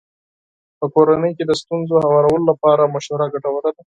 په کورنۍ کې د ستونزو هوارولو لپاره مشوره ګټوره ده.